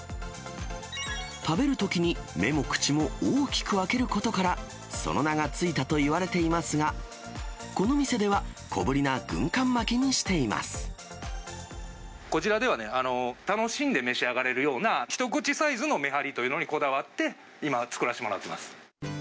食べるときに、目も口も大きく開けることから、その名が付いたといわれていますが、この店では、こちらでは、楽しんで召し上がれるような一口サイズのめはりというのにこだわって、今は作らせてもらっています。